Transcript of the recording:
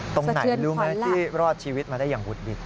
ตรงไหนรู้ไหมที่รอดชีวิตมาได้อย่างหุดหิด